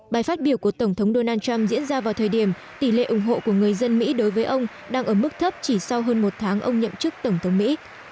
bài phát biểu của tổng thống donald trump diễn ra vào thời điểm tỷ lệ ủng hộ của người dân mỹ đối với ông đang ở mức thấp chỉ sau hơn một tháng ông nhậm chức tổng thống mỹ